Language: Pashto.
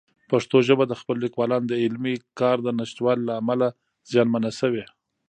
پښتو ژبه د خپلو لیکوالانو د علمي کار د نشتوالي له امله زیانمنه شوې.